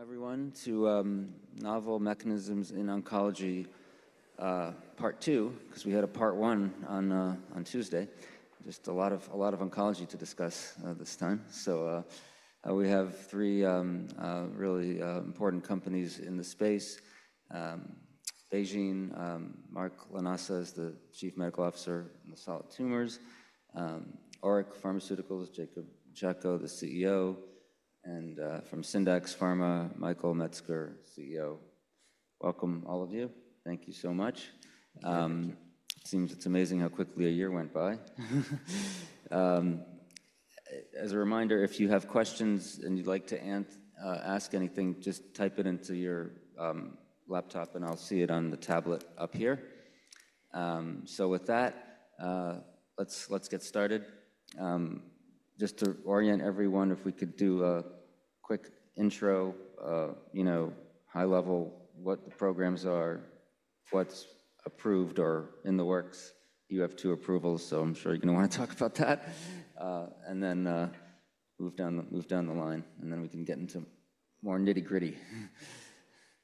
Everyone, to Novel Mechanisms in Oncology Part 2, because we had a Part 1 on Tuesday. Just a lot of oncology to discuss this time. So we have three really important companies in the space: BeiGene, Mark Lanasa is the Chief Medical Officer in the solid tumors; ORIC Pharmaceuticals, Jacob Chacko, the CEO; and from Syndax Pharmaceuticals, Michael Metzger, CEO. Welcome, all of you. Thank you so much. Thank you. seems it's amazing how quickly a year went by. As a reminder, if you have questions and you'd like to ask anything, just type it into your laptop and I'll see it on the tablet up here, so with that, let's get started. Just to orient everyone, if we could do a quick intro, you know, high level, what the programs are, what's approved or in the works. You have two approvals, so I'm sure you're going to want to talk about that and then move down the line, and then we can get into more nitty-gritty.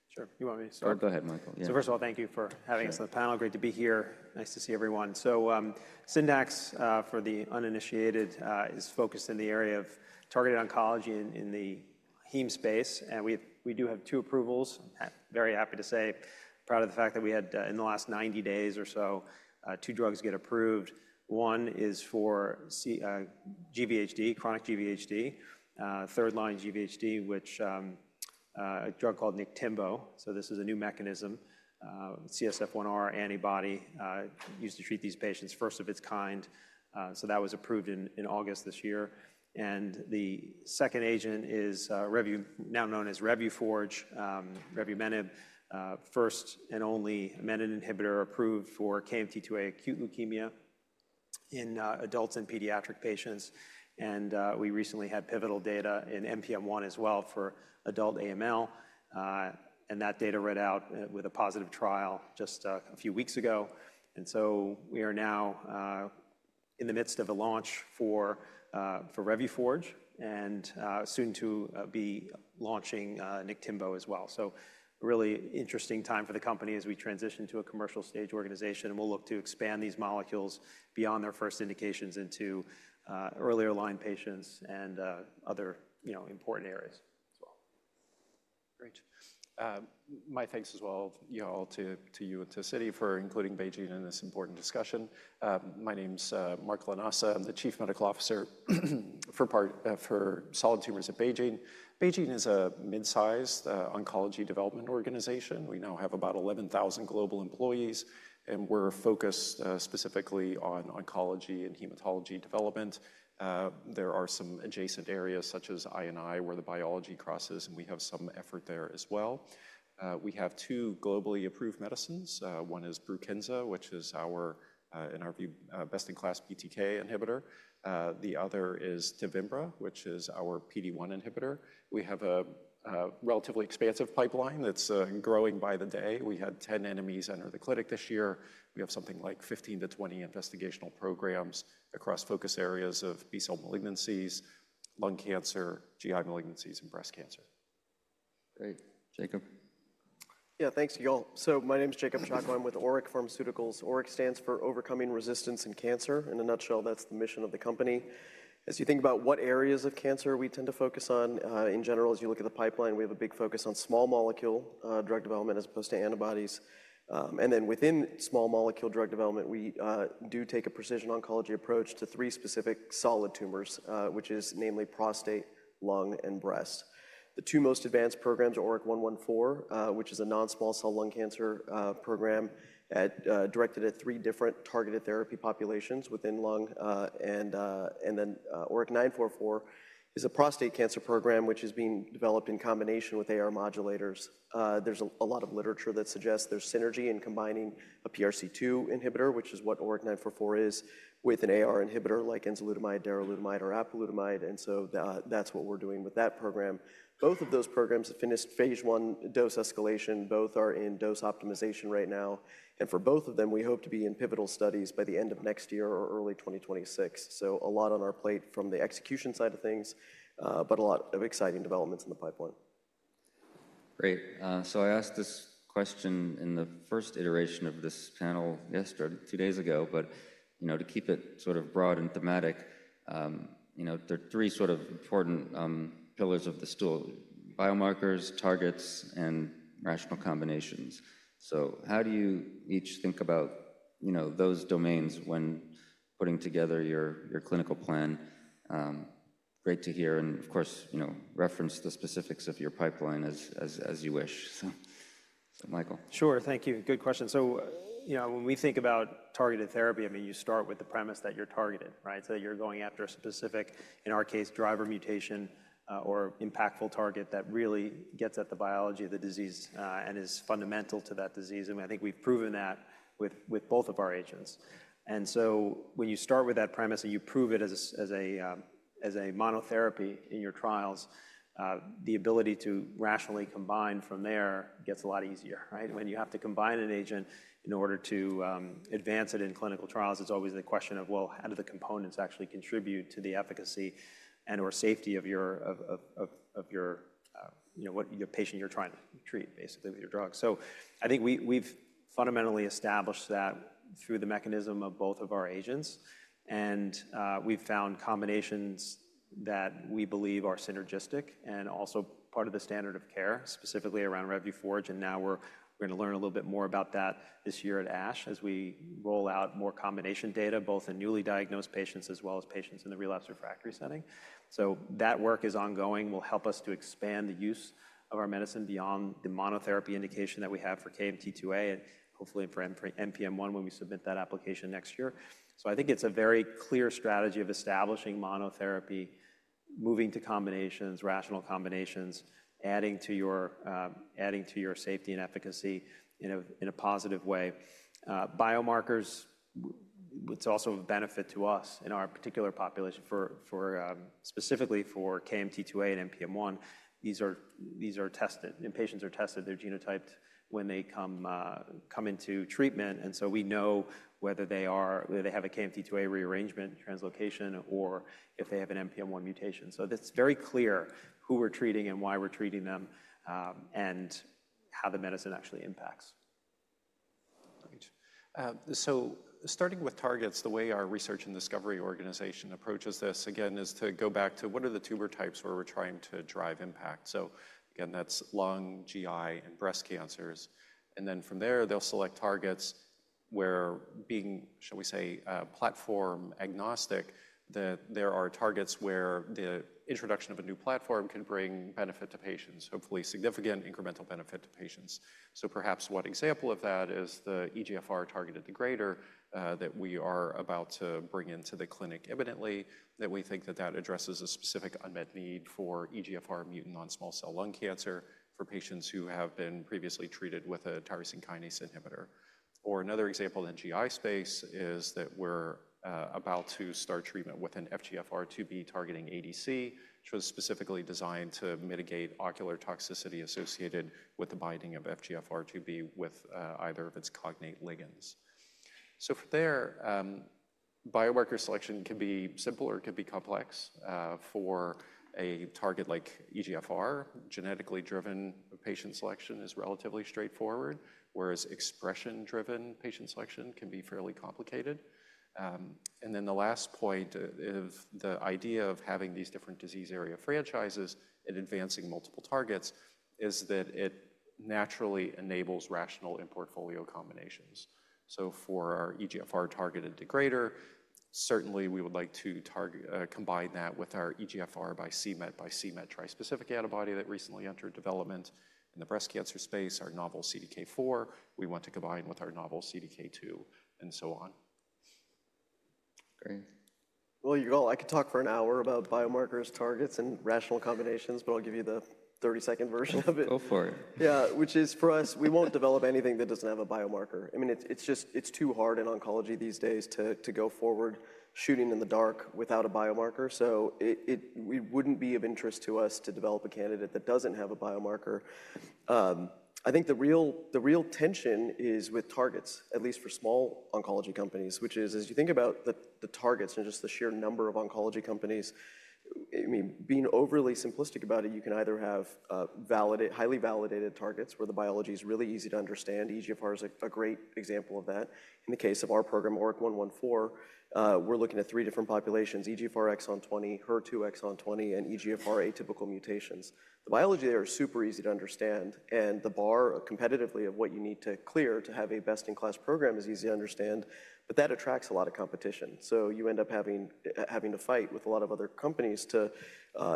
Sure. You want me to start? Go ahead, Michael. So first of all, thank you for having us on the panel. Great to be here. Nice to see everyone. So Syndax, for the uninitiated, is focused in the area of targeted oncology in the heme space. And we do have two approvals. Very happy to say, proud of the fact that we had, in the last 90 days or so, two drugs get approved. One is for chronic GVHD, third-line GVHD, which is a drug called Niktimvo. So this is a new mechanism, CSF1R antibody, used to treat these patients first of its kind. So that was approved in August this year. And the second agent is now known as revuforj, revumenib, first and only menin inhibitor approved for KMT2A acute leukemia in adults and pediatric patients. And we recently had pivotal data in NPM1 as well for adult AML. And that data read out with a positive trial just a few weeks ago. And so we are now in the midst of a launch for revuforj and soon to be launching Niktimvo as well. So really interesting time for the company as we transition to a commercial stage organization. And we'll look to expand these molecules beyond their first indications into earlier line patients and other important areas as well. Great. My thanks as well, you all, to you and to Citi for including BeiGene in this important discussion. My name's Mark Lanasa. I'm the Chief Medical Officer for solid tumors at BeiGene. BeiGene is a mid-sized oncology development organization. We now have about 11,000 global employees. And we're focused specifically on oncology and hematology development. There are some adjacent areas such as I&I, where the biology crosses, and we have some effort there as well. We have two globally approved medicines. One is Brukinsa, which is our, in our view, best-in-class BTK inhibitor. The other is Tevimbra, which is our PD-1 inhibitor. We have a relatively expansive pipeline that's growing by the day. We had 10 NMEs enter the clinic this year. We have something like 15-20 investigational programs across focus areas of B-cell malignancies, lung cancer, GI malignancies, and breast cancer. Great. Jacob. Yeah, thanks to you all. So my name's Jacob Chacko. I'm with ORIC Pharmaceuticals. ORIC stands for Overcoming Resistance in Cancer. In a nutshell, that's the mission of the company. As you think about what areas of cancer we tend to focus on, in general, as you look at the pipeline, we have a big focus on small molecule drug development as opposed to antibodies. And then within small molecule drug development, we do take a precision oncology approach to three specific solid tumors, which is namely prostate, lung, and breast. The two most advanced programs are ORIC-114, which is a non-small cell lung cancer program directed at three different targeted therapy populations within lung. And then ORIC-944 is a prostate cancer program, which is being developed in combination with AR modulators. There's a lot of literature that suggests there's synergy in combining a PRC2 inhibitor, which is what ORIC-944 is, with an AR inhibitor like enzalutamide, daralutamide, or apalutamide. And so that's what we're doing with that program. Both of those programs have finished phase 1 dose escalation. Both are in dose optimization right now. And for both of them, we hope to be in pivotal studies by the end of next year or early 2026. So a lot on our plate from the execution side of things, but a lot of exciting developments in the pipeline. Great. So I asked this question in the first iteration of this panel yesterday, two days ago. But to keep it sort of broad and thematic, there are three sort of important pillars of the stool: biomarkers, targets, and rational combinations. So how do you each think about those domains when putting together your clinical plan? Great to hear. And of course, reference the specifics of your pipeline as you wish. So, Michael. Sure. Thank you. Good question. So when we think about targeted therapy, I mean, you start with the premise that you're targeted, right? So that you're going after a specific, in our case, driver mutation or impactful target that really gets at the biology of the disease and is fundamental to that disease. And I think we've proven that with both of our agents. And so when you start with that premise and you prove it as a monotherapy in your trials, the ability to rationally combine from there gets a lot easier, right? When you have to combine an agent in order to advance it in clinical trials, it's always the question of, well, how do the components actually contribute to the efficacy and/or safety of what patient you're trying to treat, basically, with your drug. I think we've fundamentally established that through the mechanism of both of our agents. We've found combinations that we believe are synergistic and also part of the standard of care, specifically around revuforj. Now we're going to learn a little bit more about that this year at ASH as we roll out more combination data, both in newly diagnosed patients as well as patients in the relapse refractory setting. That work is ongoing. It will help us to expand the use of our medicine beyond the monotherapy indication that we have for KMT2A and hopefully for NPM1 when we submit that application next year. I think it's a very clear strategy of establishing monotherapy, moving to combinations, rational combinations, adding to your safety and efficacy in a positive way. Biomarkers, it's also a benefit to us in our particular population, specifically for KMT2A and NPM1. These are tested. Patients are tested. They're genotyped when they come into treatment. And so we know whether they have a KMT2A rearrangement translocation or if they have an NPM1 mutation. So that's very clear who we're treating and why we're treating them and how the medicine actually impacts. Great. So starting with targets, the way our research and discovery organization approaches this, again, is to go back to what are the tumor types where we're trying to drive impact. So again, that's lung, GI, and breast cancers. And then from there, they'll select targets where being, shall we say, platform agnostic, that there are targets where the introduction of a new platform can bring benefit to patients, hopefully significant incremental benefit to patients. So perhaps one example of that is the EGFR targeted degrader that we are about to bring into the clinic, evidently, that we think that that addresses a specific unmet need for EGFR mutant non-small cell lung cancer for patients who have been previously treated with a tyrosine kinase inhibitor. Or, another example in the GI space is that we're about to start treatment with an FGFR2b targeting ADC, which was specifically designed to mitigate ocular toxicity associated with the binding of FGFR2b with either of its cognate ligands. So from there, biomarker selection can be simple or can be complex. For a target like EGFR, genetically driven patient selection is relatively straightforward, whereas expression-driven patient selection can be fairly complicated. And then the last point of the idea of having these different disease area franchises and advancing multiple targets is that it naturally enables rational and portfolio combinations. So for our EGFR targeted degrader, certainly we would like to combine that with our EGFR/c-MET trispecific antibody that recently entered development in the breast cancer space, our novel CDK4. We want to combine with our novel CDK2 and so on. Great. You're all, I could talk for an hour about biomarkers, targets, and rational combinations, but I'll give you the 30-second version of it. Go for it. Yeah, which is for us, we won't develop anything that doesn't have a biomarker. I mean, it's just too hard in oncology these days to go forward shooting in the dark without a biomarker. So it wouldn't be of interest to us to develop a candidate that doesn't have a biomarker. I think the real tension is with targets, at least for small oncology companies, which is, as you think about the targets and just the sheer number of oncology companies, I mean, being overly simplistic about it, you can either have highly validated targets where the biology is really easy to understand. EGFR is a great example of that. In the case of our program, ORIC-114, we're looking at three different populations: EGFR exon 20, HER2 exon 20, and EGFR atypical mutations. The biology there is super easy to understand. The bar, competitively, of what you need to clear to have a best-in-class program is easy to understand. That attracts a lot of competition. You end up having to fight with a lot of other companies to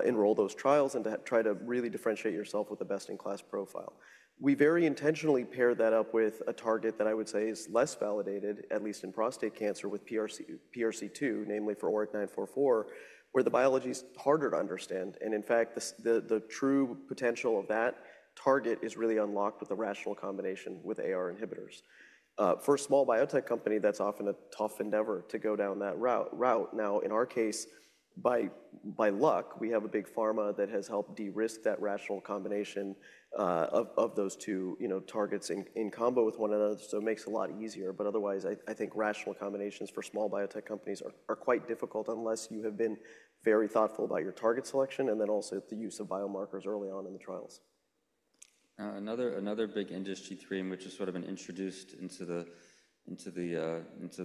enroll those trials and to try to really differentiate yourself with the best-in-class profile. We very intentionally pair that up with a target that I would say is less validated, at least in prostate cancer, with PRC2, namely for ORIC 944, where the biology is harder to understand. In fact, the true potential of that target is really unlocked with a rational combination with AR inhibitors. For a small biotech company, that's often a tough endeavor to go down that route. In our case, by luck, we have a big pharma that has helped de-risk that rational combination of those two targets in combo with one another. So it makes it a lot easier. But otherwise, I think rational combinations for small biotech companies are quite difficult unless you have been very thoughtful about your target selection and then also the use of biomarkers early on in the trials. Another big industry three, which has sort of been introduced into the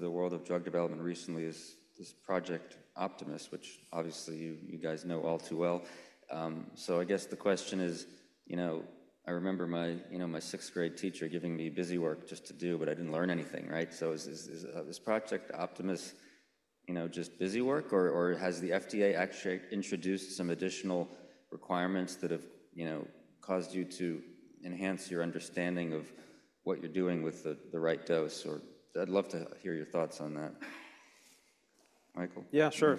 world of drug development recently, is this Project Optimus, which obviously you guys know all too well. So I guess the question is, I remember my sixth-grade teacher giving me busy work just to do, but I didn't learn anything, right? So is this Project Optimus just busy work? Or has the FDA actually introduced some additional requirements that have caused you to enhance your understanding of what you're doing with the right dose? Or I'd love to hear your thoughts on that. Michael? Yeah, sure.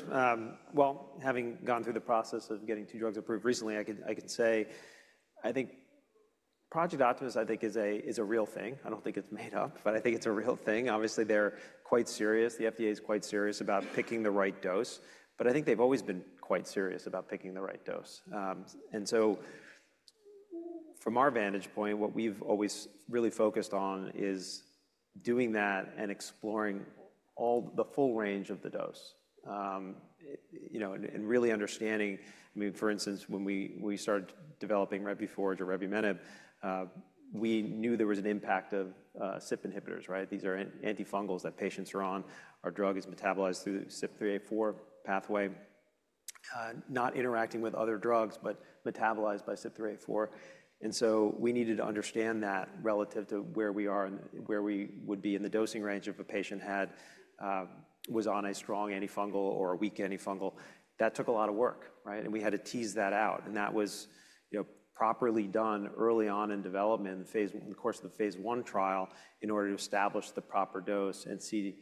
Well, having gone through the process of getting two drugs approved recently, I can say I think Project Optimus, I think, is a real thing. I don't think it's made up, but I think it's a real thing. Obviously, they're quite serious. The FDA is quite serious about picking the right dose. But I think they've always been quite serious about picking the right dose. And so from our vantage point, what we've always really focused on is doing that and exploring the full range of the dose and really understanding. I mean, for instance, when we started developing revuforj or revumenib, we knew there was an impact of CYP inhibitors, right? These are antifungals that patients are on. Our drug is metabolized through the CYP3A4 pathway, not interacting with other drugs, but metabolized by CYP3A4. We needed to understand that relative to where we are and where we would be in the dosing range if a patient was on a strong antifungal or a weak antifungal. That took a lot of work, right? We had to tease that out. That was properly done early on in development, in the course of the phase 1 trial, in order to establish the proper dose and see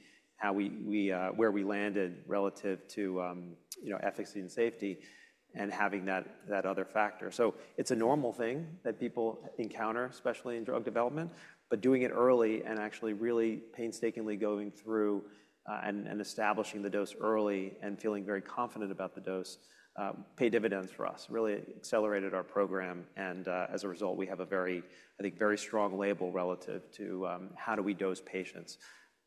where we landed relative to efficacy and safety and having that other factor. It's a normal thing that people encounter, especially in drug development. Doing it early and actually really painstakingly going through and establishing the dose early and feeling very confident about the dose paid dividends for us, really accelerated our program. And as a result, we have a very, I think, very strong label relative to how do we dose patients,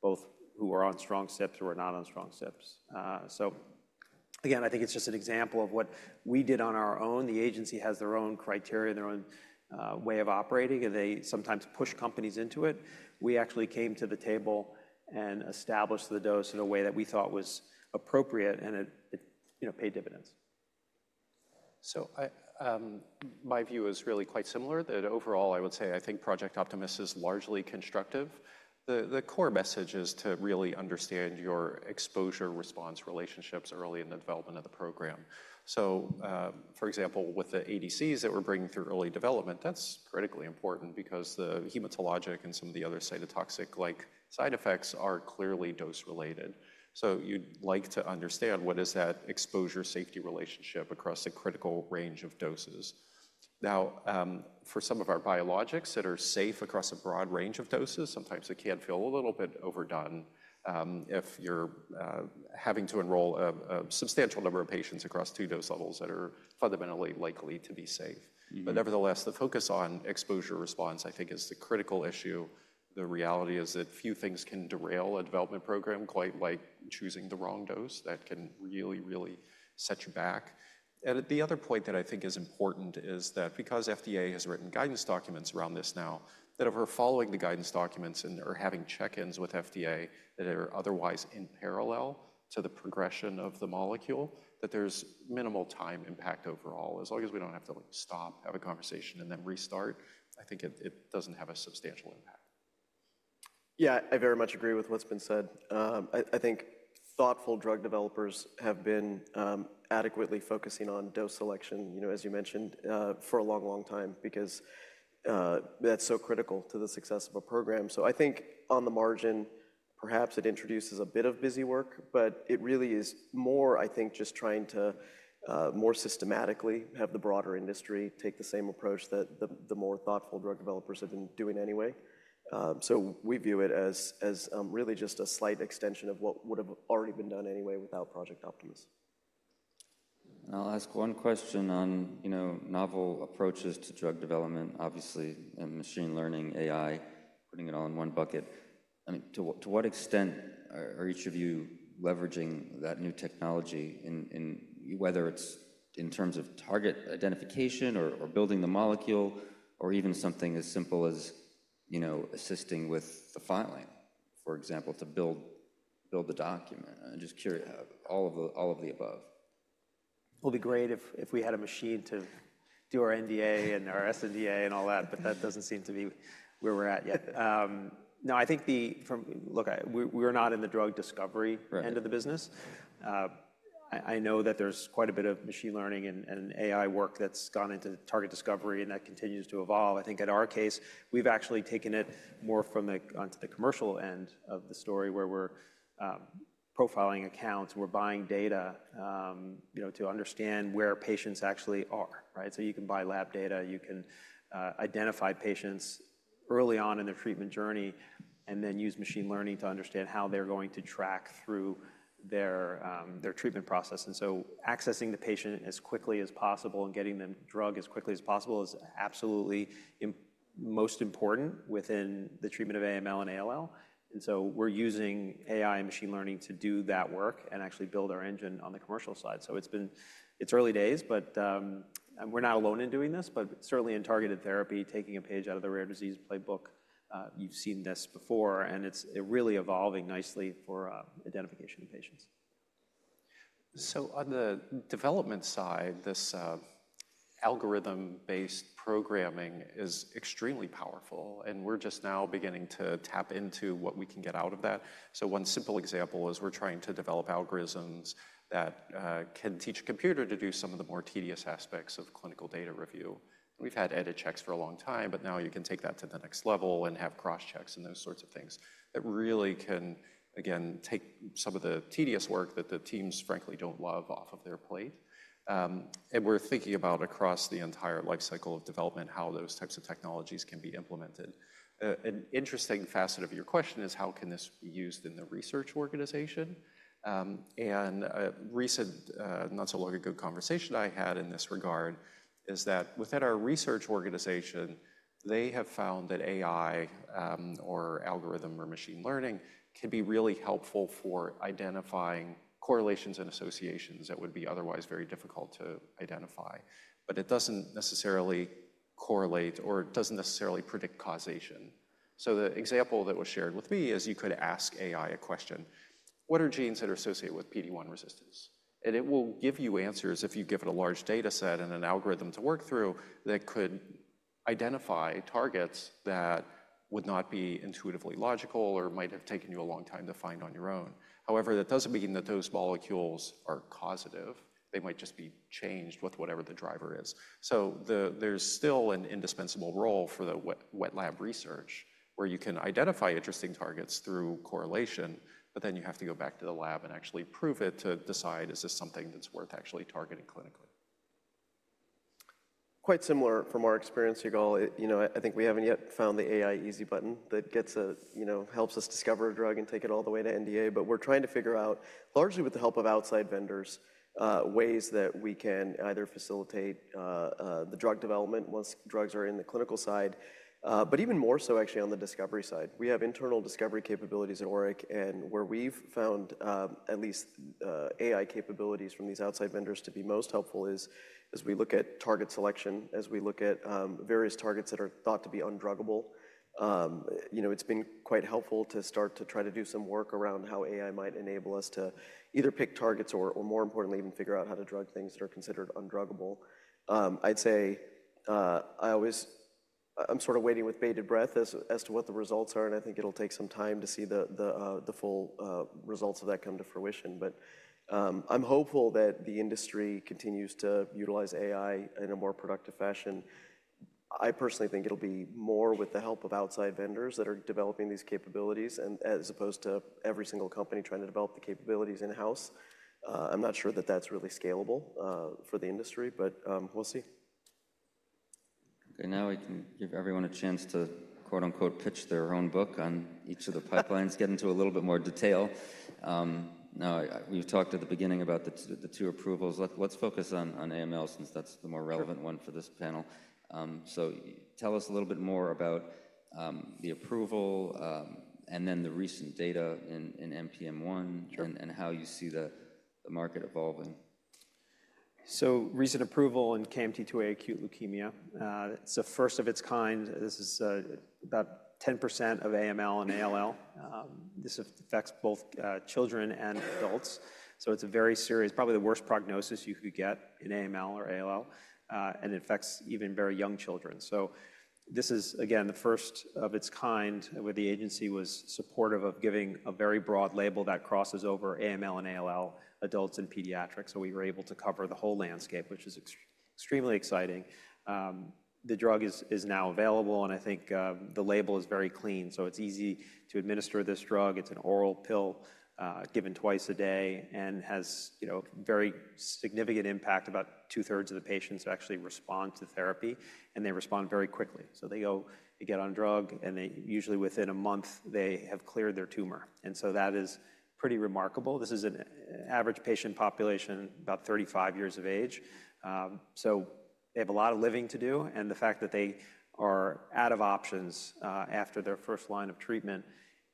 both who are on strong CYP3A4s or who are not on strong CYP3A4s. So again, I think it's just an example of what we did on our own. The agency has their own criteria and their own way of operating. They sometimes push companies into it. We actually came to the table and established the dose in a way that we thought was appropriate, and it paid dividends. So my view is really quite similar that overall, I would say I think Project Optimus is largely constructive. The core message is to really understand your exposure response relationships early in the development of the program. So for example, with the ADCs that we're bringing through early development, that's critically important because the hematologic and some of the other cytotoxic-like side effects are clearly dose-related. So you'd like to understand what is that exposure safety relationship across a critical range of doses. Now, for some of our biologics that are safe across a broad range of doses, sometimes it can feel a little bit overdone if you're having to enroll a substantial number of patients across two dose levels that are fundamentally likely to be safe. But nevertheless, the focus on exposure response, I think, is the critical issue. The reality is that few things can derail a development program quite like choosing the wrong dose that can really, really set you back, and the other point that I think is important is that because FDA has written guidance documents around this now, that if we're following the guidance documents and are having check-ins with FDA that are otherwise in parallel to the progression of the molecule, that there's minimal time impact overall. As long as we don't have to stop, have a conversation, and then restart, I think it doesn't have a substantial impact. Yeah, I very much agree with what's been said. I think thoughtful drug developers have been adequately focusing on dose selection, as you mentioned, for a long, long time because that's so critical to the success of a program. So I think on the margin, perhaps it introduces a bit of busy work, but it really is more, I think, just trying to more systematically have the broader industry take the same approach that the more thoughtful drug developers have been doing anyway. So we view it as really just a slight extension of what would have already been done anyway without Project Optimus. I'll ask one question on novel approaches to drug development, obviously, and machine learning, AI, putting it all in one bucket. I mean, to what extent are each of you leveraging that new technology, whether it's in terms of target identification or building the molecule or even something as simple as assisting with the filing, for example, to build the document? I'm just curious, all of the above. It'll be great if we had a machine to do our NDA and our sNDA and all that, but that doesn't seem to be where we're at yet. No, I think, look, we're not in the drug discovery end of the business. I know that there's quite a bit of machine learning and AI work that's gone into target discovery, and that continues to evolve. I think in our case, we've actually taken it more from the commercial end of the story where we're profiling accounts. We're buying data to understand where patients actually are, right? So you can buy lab data. You can identify patients early on in their treatment journey and then use machine learning to understand how they're going to track through their treatment process. And so accessing the patient as quickly as possible and getting them the drug as quickly as possible is absolutely most important within the treatment of AML and ALL. And so we're using AI and machine learning to do that work and actually build our engine on the commercial side. So it's early days, but we're not alone in doing this, but certainly in targeted therapy, taking a page out of the rare disease playbook, you've seen this before, and it's really evolving nicely for identification of patients. On the development side, this algorithm-based programming is extremely powerful, and we're just now beginning to tap into what we can get out of that. One simple example is we're trying to develop algorithms that can teach a computer to do some of the more tedious aspects of clinical data review. We've had edit checks for a long time, but now you can take that to the next level and have cross-checks and those sorts of things that really can, again, take some of the tedious work that the teams, frankly, don't love off of their plate. We're thinking about across the entire life cycle of development, how those types of technologies can be implemented. An interesting facet of your question is how can this be used in the research organization? A recent, not so long ago, conversation I had in this regard is that within our research organization, they have found that AI or algorithm or machine learning can be really helpful for identifying correlations and associations that would be otherwise very difficult to identify. But it doesn't necessarily correlate or it doesn't necessarily predict causation. The example that was shared with me is you could ask AI a question, what are genes that are associated with PD-1 resistance? And it will give you answers if you give it a large data set and an algorithm to work through that could identify targets that would not be intuitively logical or might have taken you a long time to find on your own. However, that doesn't mean that those molecules are causative. They might just be changed with whatever the driver is. So there's still an indispensable role for the wet lab research where you can identify interesting targets through correlation, but then you have to go back to the lab and actually prove it to decide, is this something that's worth actually targeting clinically? Quite similar from our experience, Yigal. I think we haven't yet found the AI easy button that helps us discover a drug and take it all the way to NDA. But we're trying to figure out, largely with the help of outside vendors, ways that we can either facilitate the drug development once drugs are in the clinical side, but even more so actually on the discovery side. We have internal discovery capabilities at ORIC. And where we've found at least AI capabilities from these outside vendors to be most helpful is as we look at target selection, as we look at various targets that are thought to be undruggable. It's been quite helpful to start to try to do some work around how AI might enable us to either pick targets or, more importantly, even figure out how to drug things that are considered undruggable. I'd say, I'm always sort of waiting with bated breath as to what the results are, and I think it'll take some time to see the full results of that come to fruition, but I'm hopeful that the industry continues to utilize AI in a more productive fashion. I personally think it'll be more with the help of outside vendors that are developing these capabilities as opposed to every single company trying to develop the capabilities in-house. I'm not sure that that's really scalable for the industry, but we'll see. Okay, now I can give everyone a chance to "pitch" their own book on each of the pipelines, get into a little bit more detail. Now, we've talked at the beginning about the two approvals. Let's focus on AML since that's the more relevant one for this panel, so tell us a little bit more about the approval and then the recent data in NPM1 and how you see the market evolving. Recent approval in KMT2A acute leukemia. It's a first of its kind. This is about 10% of AML and ALL. This affects both children and adults. It's a very serious, probably the worst prognosis you could get in AML or ALL. It affects even very young children. This is, again, the first of its kind where the agency was supportive of giving a very broad label that crosses over AML and ALL, adults and pediatrics. We were able to cover the whole landscape, which is extremely exciting. The drug is now available, and I think the label is very clean. It's easy to administer this drug. It's an oral pill given twice a day and has very significant impact. About two-thirds of the patients actually respond to therapy, and they respond very quickly. So they go get on drug, and usually within a month, they have cleared their tumor. And so that is pretty remarkable. This is an average patient population, about 35 years of age. So they have a lot of living to do. And the fact that they are out of options after their first line of treatment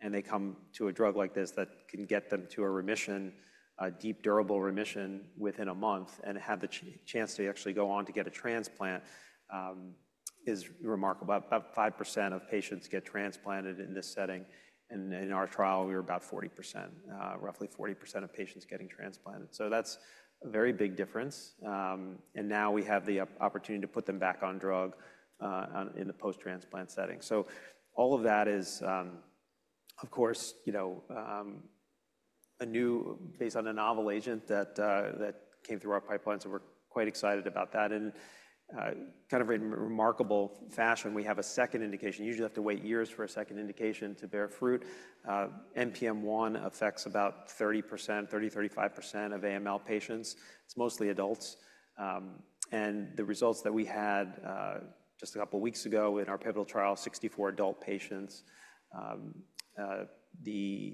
and they come to a drug like this that can get them to a remission, a deep, durable remission within a month and have the chance to actually go on to get a transplant is remarkable. About 5% of patients get transplanted in this setting. And in our trial, we were about 40%, roughly 40% of patients getting transplanted. So that's a very big difference. And now we have the opportunity to put them back on drug in the post-transplant setting. So all of that is, of course, based on a novel agent that came through our pipelines. And we're quite excited about that. In kind of a remarkable fashion, we have a second indication. Usually, you have to wait years for a second indication to bear fruit. NPM1 affects about 30-35% of AML patients. It's mostly adults. And the results that we had just a couple of weeks ago in our pivotal trial, 64 adult patients. The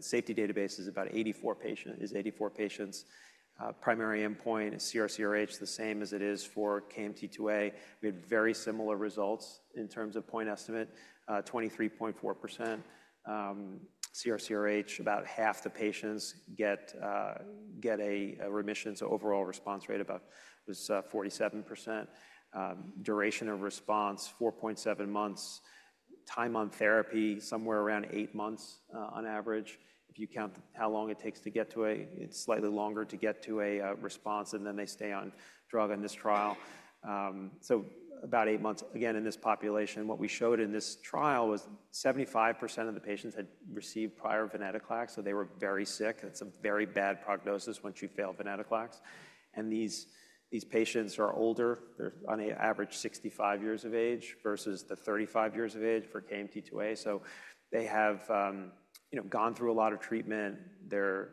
safety database is about 84 patients. Primary endpoint is CR/CRh, the same as it is for KMT2A. We had very similar results in terms of point estimate, 23.4%. CR/CRh, about half the patients get a remission. So overall response rate was 47%. Duration of response, 4.7 months. Time on therapy, somewhere around eight months on average. If you count how long it takes to get to a, it's slightly longer to get to a response, and then they stay on drug in this trial. So about eight months, again, in this population. What we showed in this trial was 75% of the patients had received prior venetoclax. So they were very sick. That's a very bad prognosis once you fail venetoclax. And these patients are older. They're on average 65 years of age versus the 35 years of age for KMT2A. So they have gone through a lot of treatment. They're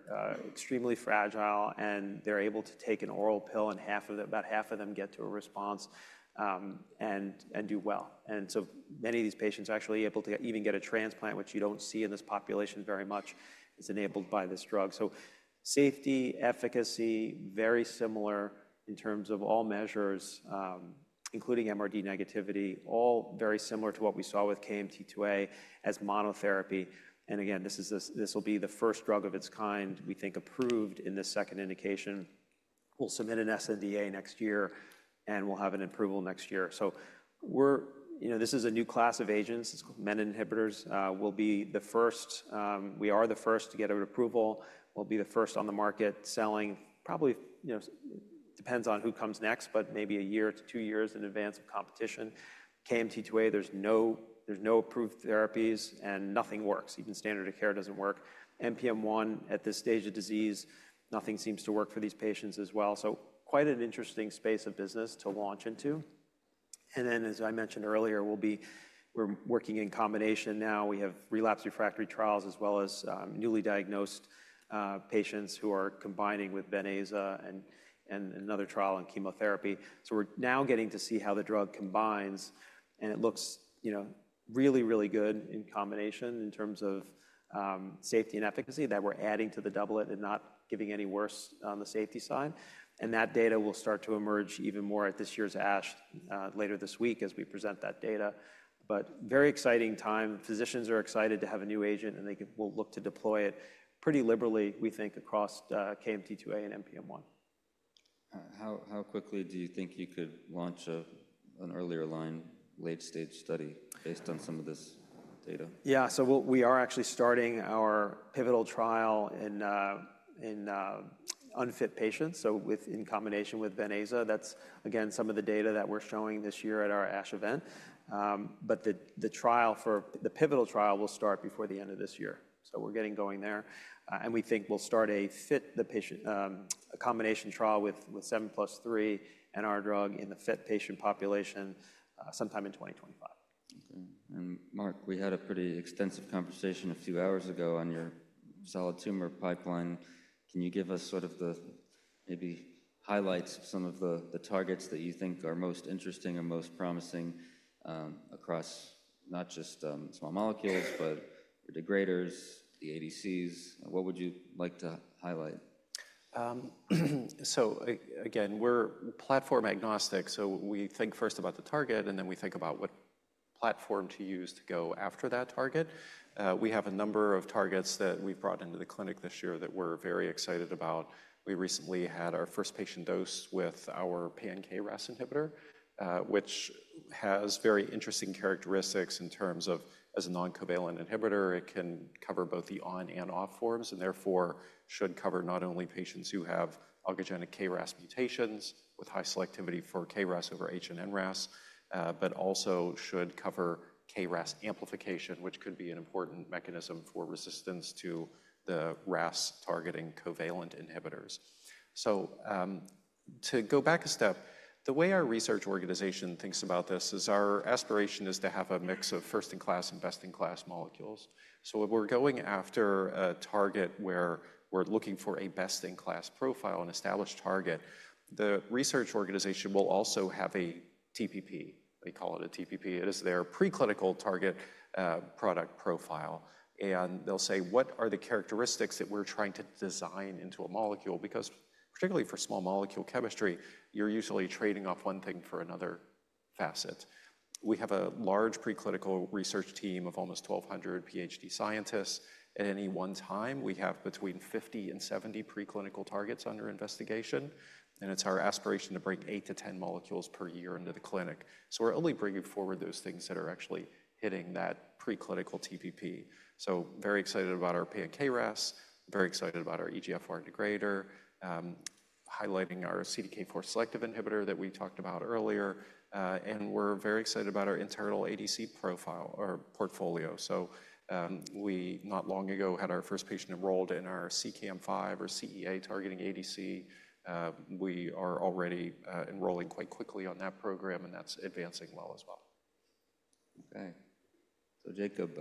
extremely fragile, and they're able to take an oral pill, and about half of them get to a response and do well. And so many of these patients are actually able to even get a transplant, which you don't see in this population very much. It's enabled by this drug. Safety, efficacy, very similar in terms of all measures, including MRD negativity, all very similar to what we saw with KMT2A as monotherapy. Again, this will be the first drug of its kind, we think, approved in the second indication. We'll submit an sNDA next year, and we'll have an approval next year. This is a new class of agents. It's called menin inhibitors. We'll be the first. We are the first to get an approval. We'll be the first on the market selling. Probably depends on who comes next, but maybe a year to two years in advance of competition. KMT2A, there's no approved therapies, and nothing works. Even standard of care doesn't work. NPM1 at this stage of disease, nothing seems to work for these patients as well. Quite an interesting space of business to launch into. As I mentioned earlier, we're working in combination now. We have relapsed refractory trials as well as newly diagnosed patients who are combining with venetoclax and another trial in chemotherapy. We're now getting to see how the drug combines. It looks really, really good in combination in terms of safety and efficacy that we're adding to the doublet and not giving any worse on the safety side. That data will start to emerge even more at this year's ASH later this week as we present that data. Very exciting time. Physicians are excited to have a new agent, and they will look to deploy it pretty liberally, we think, across KMT2A and NPM1. How quickly do you think you could launch an earlier line late-stage study based on some of this data? Yeah, so we are actually starting our pivotal trial in unfit patients. So in combination with azacitidine, that's, again, some of the data that we're showing this year at our ASH event. But the pivotal trial will start before the end of this year. So we're getting going there. And we think we'll start a combination trial with 7+3 and our drug in the fit patient population sometime in 2025. And Mark, we had a pretty extensive conversation a few hours ago on your solid tumor pipeline. Can you give us sort of the maybe highlights of some of the targets that you think are most interesting or most promising across not just small molecules, but the degraders, the ADCs? What would you like to highlight? So again, we're platform agnostic. So we think first about the target, and then we think about what platform to use to go after that target. We have a number of targets that we've brought into the clinic this year that we're very excited about. We recently had our first patient dose with our pan-KRAS inhibitor, which has very interesting characteristics in terms of, as a non-covalent inhibitor, it can cover both the on and off forms, and therefore should cover not only patients who have oncogenic KRAS mutations with high selectivity for KRAS over HRAS and NRAS, but also should cover KRAS amplification, which could be an important mechanism for resistance to the RAS targeting covalent inhibitors. So to go back a step, the way our research organization thinks about this is our aspiration is to have a mix of first-in-class and best-in-class molecules. So if we're going after a target where we're looking for a best-in-class profile, an established target, the research organization will also have a TPP. They call it a TPP. It is their preclinical target product profile. And they'll say, what are the characteristics that we're trying to design into a molecule? Because particularly for small molecule chemistry, you're usually trading off one thing for another facet. We have a large preclinical research team of almost 1,200 PhD scientists. At any one time, we have between 50 and 70 preclinical targets under investigation. And it's our aspiration to bring eight to 10 molecules per year into the clinic. So we're only bringing forward those things that are actually hitting that preclinical TPP. So very excited about our pan-KRAS, very excited about our EGFR degrader, highlighting our CDK4 selective inhibitor that we talked about earlier. We're very excited about our internal ADC profile or portfolio. We not long ago had our first patient enrolled in our CEACAM5 or CEA targeting ADC. We are already enrolling quite quickly on that program, and that's advancing well as well. Okay. So, Jacob,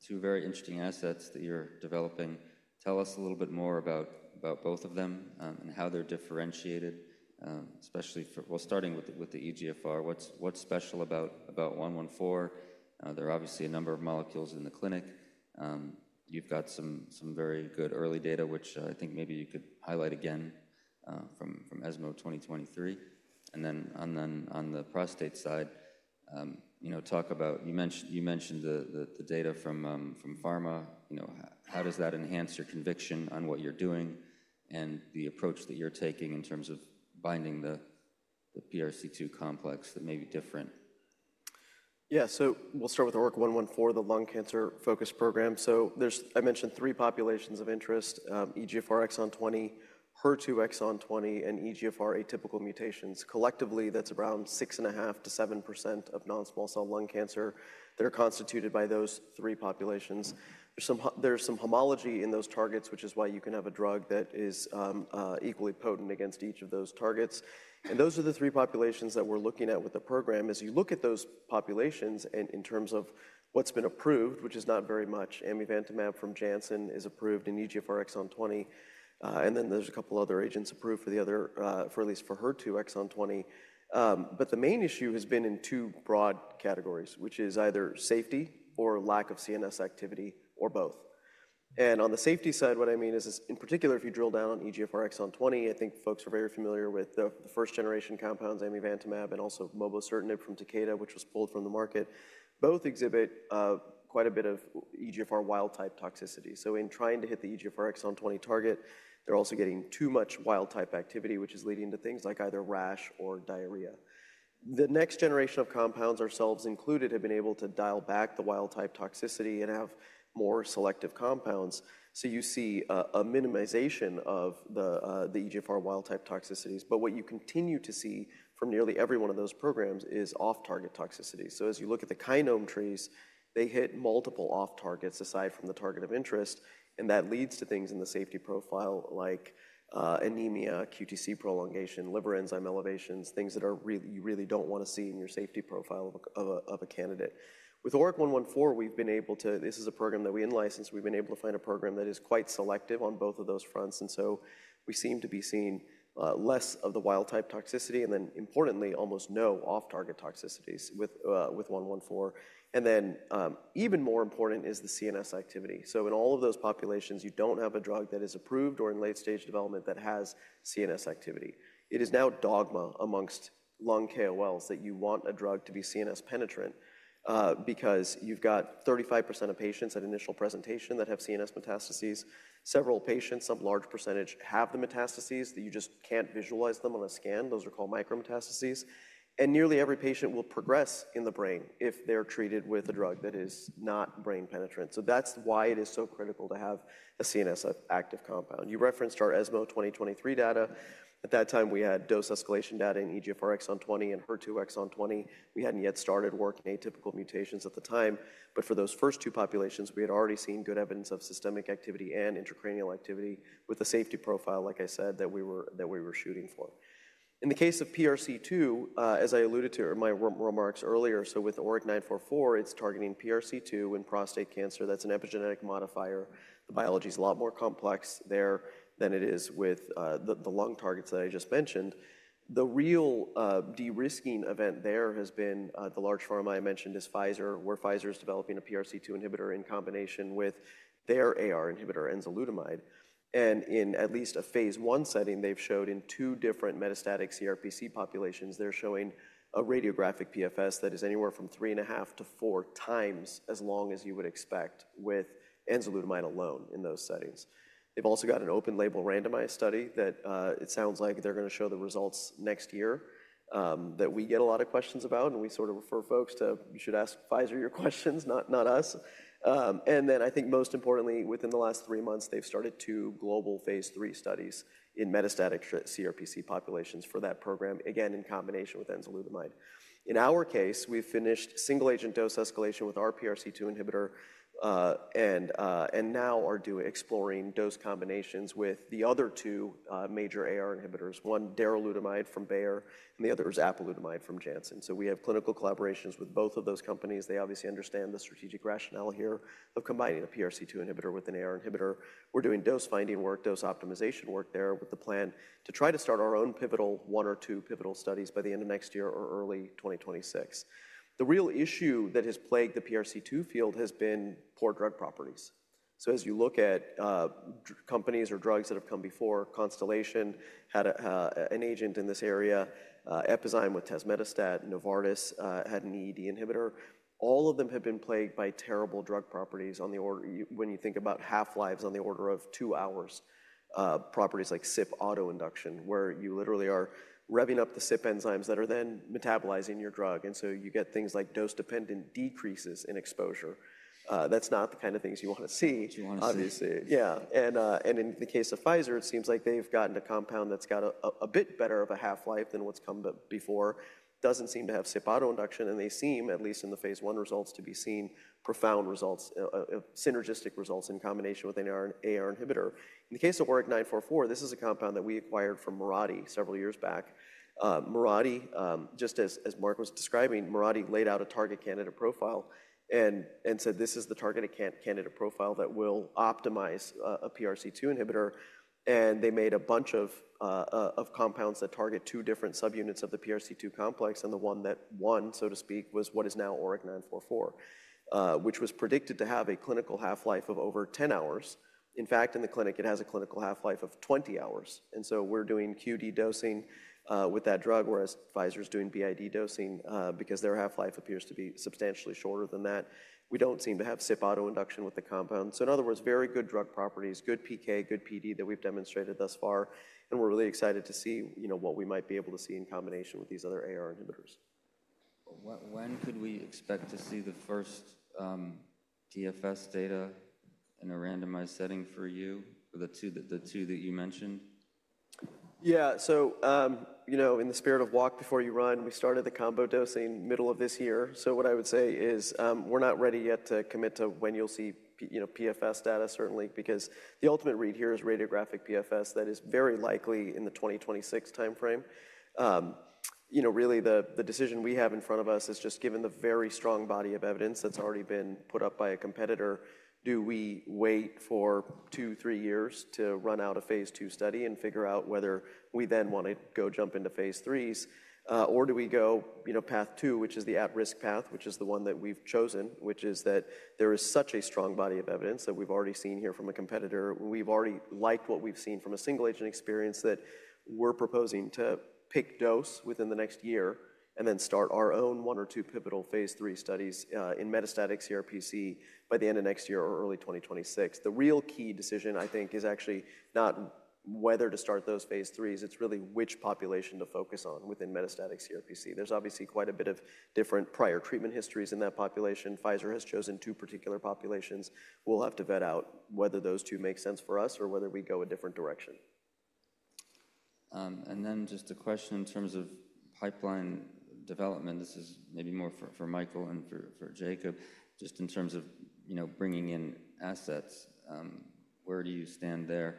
two very interesting assets that you're developing. Tell us a little bit more about both of them and how they're differentiated, especially for, well, starting with the EGFR. What's special about 114? There are obviously a number of molecules in the clinic. You've got some very good early data, which I think maybe you could highlight again from ESMO 2023. And then on the prostate side, talk about. You mentioned the data from Pfizer. How does that enhance your conviction on what you're doing and the approach that you're taking in terms of binding the PRC2 complex that may be different? Yeah, so we'll start with ORIC 114, the lung cancer focus program. So I mentioned three populations of interest, EGFR exon 20, HER2 exon 20, and EGFR atypical mutations. Collectively, that's around 6.5%-7% of non-small cell lung cancer that are constituted by those three populations. There's some homology in those targets, which is why you can have a drug that is equally potent against each of those targets. And those are the three populations that we're looking at with the program. As you look at those populations and in terms of what's been approved, which is not very much, amivantamab from Janssen is approved in EGFR exon 20. And then there's a couple of other agents approved for the other, for at least for HER2 exon 20. But the main issue has been in two broad categories, which is either safety or lack of CNS activity or both. On the safety side, what I mean is, in particular, if you drill down on EGFR exon 20, I think folks are very familiar with the first-generation compounds, amivantamab, and also mobocertinib from Takeda, which was pulled from the market. Both exhibit quite a bit of EGFR wild-type toxicity. So in trying to hit the EGFR exon 20 target, they're also getting too much wild-type activity, which is leading to things like either rash or diarrhea. The next generation of compounds, ourselves included, have been able to dial back the wild-type toxicity and have more selective compounds. So you see a minimization of the EGFR wild-type toxicities. But what you continue to see from nearly every one of those programs is off-target toxicity. So as you look at the kinome trees, they hit multiple off-targets aside from the target of interest. And that leads to things in the safety profile like anemia, QTc prolongation, liver enzyme elevations, things that you really don't want to see in your safety profile of a candidate. With ORIC-114, we've been able to, this is a program that we in-licensed, we've been able to find a program that is quite selective on both of those fronts. And so we seem to be seeing less of the wild-type toxicity and then, importantly, almost no off-target toxicities with 114. And then even more important is the CNS activity. So in all of those populations, you don't have a drug that is approved or in late-stage development that has CNS activity. It is now dogma among lung KOLs that you want a drug to be CNS penetrant because you've got 35% of patients at initial presentation that have CNS metastases. Several patients, some large percentage, have the metastases that you just can't visualize them on a scan. Those are called micrometastases. And nearly every patient will progress in the brain if they're treated with a drug that is not brain penetrant. So that's why it is so critical to have a CNS active compound. You referenced our ESMO 2023 data. At that time, we had dose escalation data in EGFR exon 20 and HER2 exon 20. We hadn't yet started working on atypical mutations at the time. But for those first two populations, we had already seen good evidence of systemic activity and intracranial activity with the safety profile, like I said, that we were shooting for. In the case of PRC2, as I alluded to in my remarks earlier, so with ORIC-944, it's targeting PRC2 in prostate cancer. That's an epigenetic modifier. The biology is a lot more complex there than it is with the lung targets that I just mentioned. The real de-risking event there has been the large pharma I mentioned is Pfizer, where Pfizer is developing a PRC2 inhibitor in combination with their AR inhibitor, enzalutamide. And in at least a phase one setting, they've showed in two different metastatic CRPC populations, they're showing a radiographic PFS that is anywhere from 3.5-4 times as long as you would expect with enzalutamide alone in those settings. They've also got an open-label randomized study that it sounds like they're going to show the results next year that we get a lot of questions about. And we sort of refer folks to, you should ask Pfizer your questions, not us. Then I think most importantly, within the last three months, they've started two global phase 3 studies in metastatic CRPC populations for that program, again, in combination with enzalutamide. In our case, we've finished single-agent dose escalation with our PRC2 inhibitor and now are exploring dose combinations with the other two major AR inhibitors, one daralutamide from Bayer and the other is apalutamide from Janssen. So we have clinical collaborations with both of those companies. They obviously understand the strategic rationale here of combining a PRC2 inhibitor with an AR inhibitor. We're doing dose-finding work, dose optimization work there with the plan to try to start our own pivotal one or two pivotal studies by the end of next year or early 2026. The real issue that has plagued the PRC2 field has been poor drug properties. So as you look at companies or drugs that have come before, Constellation had an agent in this area, Epizyme with tazemetostat, Novartis had an EED inhibitor. All of them have been plagued by terrible drug properties on the order, when you think about half-lives on the order of two hours, properties like CYP autoinduction, where you literally are revving up the CYP enzymes that are then metabolizing your drug. And so you get things like dose-dependent decreases in exposure. That's not the kind of things you want to see, obviously. Yeah. And in the case of Pfizer, it seems like they've gotten a compound that's got a bit better of a half-life than what's come before. Doesn't seem to have CYP autoinduction, and they seem, at least in the phase one results, to be seeing profound results, synergistic results in combination with an AR inhibitor. In the case of ORIC-944, this is a compound that we acquired from Mirati several years back. Mirati, just as Mark was describing, Mirati laid out a target candidate profile and said, this is the target candidate profile that will optimize a PRC2 inhibitor. And they made a bunch of compounds that target two different subunits of the PRC2 complex. And the one that won, so to speak, was what is now ORIC-944, which was predicted to have a clinical half-life of over 10 hours. In fact, in the clinic, it has a clinical half-life of 20 hours. And so we're doing QD dosing with that drug, whereas Pfizer is doing BID dosing because their half-life appears to be substantially shorter than that. We don't seem to have CYP autoinduction with the compound. So in other words, very good drug properties, good PK, good PD that we've demonstrated thus far. And we're really excited to see what we might be able to see in combination with these other AR inhibitors. When could we expect to see the first DFS data in a randomized setting for you, the two that you mentioned? Yeah. So in the spirit of walk before you run, we started the combo dosing middle of this year. So what I would say is we're not ready yet to commit to when you'll see PFS data, certainly, because the ultimate read here is radiographic PFS that is very likely in the 2026 timeframe. Really, the decision we have in front of us is just given the very strong body of evidence that's already been put up by a competitor, do we wait for two, three years to run out a phase two study and figure out whether we then want to go jump into phase threes, or do we go path two, which is the at-risk path, which is the one that we've chosen, which is that there is such a strong body of evidence that we've already seen here from a competitor. We've already liked what we've seen from a single-agent experience that we're proposing to pick dose within the next year and then start our own one or two pivotal phase 3 studies in metastatic CRPC by the end of next year or early 2026. The real key decision, I think, is actually not whether to start those phase 3s. It's really which population to focus on within metastatic CRPC. There's obviously quite a bit of different prior treatment histories in that population. Pfizer has chosen two particular populations. We'll have to vet out whether those two make sense for us or whether we go a different direction. And then just a question in terms of pipeline development. This is maybe more for Michael and for Jacob. Just in terms of bringing in assets, where do you stand there?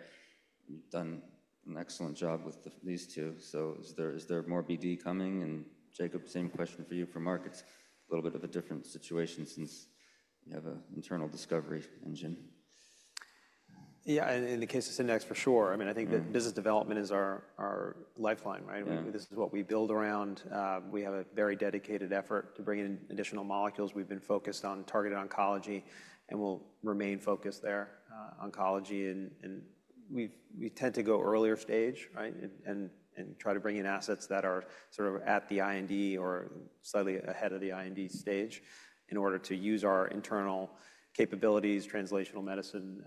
You've done an excellent job with these two. So is there more BD coming? And Jacob, same question for you for ORIC. A little bit of a different situation since you have an internal discovery engine. Yeah. In the case of Syndax, for sure. I mean, I think that business development is our lifeline, right? This is what we build around. We have a very dedicated effort to bring in additional molecules. We've been focused on targeted oncology and will remain focused there, oncology. And we tend to go earlier stage, right, and try to bring in assets that are sort of at the IND or slightly ahead of the IND stage in order to use our internal capabilities, translational medicine,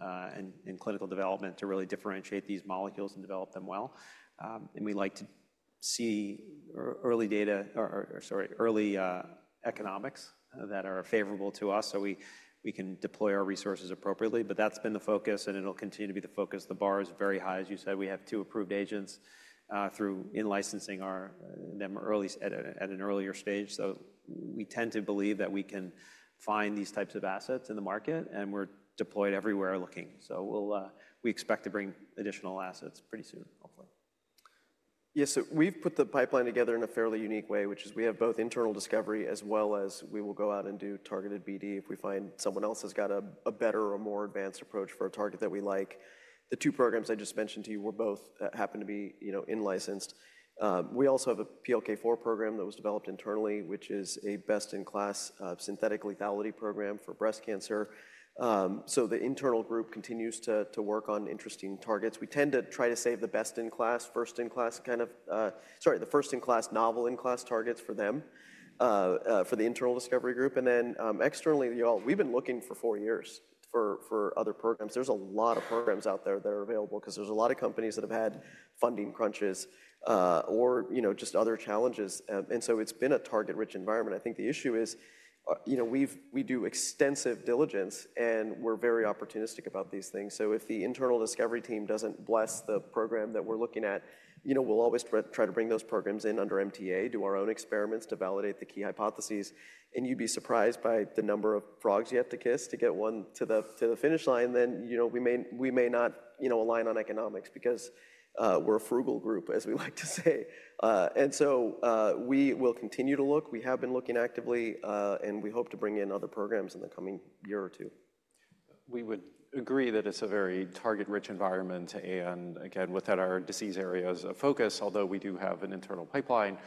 and clinical development to really differentiate these molecules and develop them well. And we like to see early data, sorry, early economics that are favorable to us so we can deploy our resources appropriately. But that's been the focus, and it'll continue to be the focus. The bar is very high, as you said. We have two approved agents through in-licensing them at an earlier stage. So we tend to believe that we can find these types of assets in the market, and we're deployed everywhere looking. So we expect to bring additional assets pretty soon, hopefully. Yeah. So we've put the pipeline together in a fairly unique way, which is we have both internal discovery as well as we will go out and do targeted BD if we find someone else has got a better or more advanced approach for a target that we like. The two programs I just mentioned to you happen to be in-licensed. We also have a PLK4 program that was developed internally, which is a best-in-class synthetic lethality program for breast cancer. So the internal group continues to work on interesting targets. We tend to try to save the best-in-class, first-in-class kind of, sorry, the first-in-class, novel-in-class targets for them, for the internal discovery group. And then externally, we've been looking for other programs for four years. There's a lot of programs out there that are available because there's a lot of companies that have had funding crunches or just other challenges. And so it's been a target-rich environment. I think the issue is we do extensive diligence, and we're very opportunistic about these things. So if the internal discovery team doesn't bless the program that we're looking at, we'll always try to bring those programs in under MTA, do our own experiments to validate the key hypotheses. And you'd be surprised by the number of frogs you have to kiss to get one to the finish line. Then we may not align on economics because we're a frugal group, as we like to say. And so we will continue to look. We have been looking actively, and we hope to bring in other programs in the coming year or two. We would agree that it's a very target-rich environment. And again, within our disease areas of focus, although we do have an internal pipeline,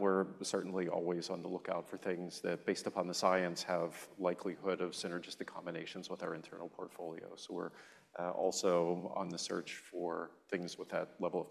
we're certainly always on the lookout for things that, based upon the science, have likelihood of synergistic combinations with our internal portfolio. So we're also on the search for things with that level of.